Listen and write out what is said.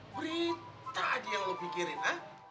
berita aja yang lo pikirin ah